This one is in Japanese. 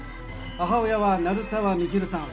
母親は鳴沢未知留さん